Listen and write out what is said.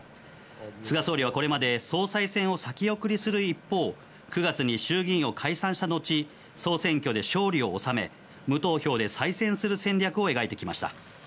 菅総理はこれまで総裁選を先送りする一方、９月に衆議院を解散したのち、総選挙で勝利を収め、無投票で再選する戦略を描いてきました。